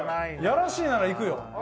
やらしいならいくよ。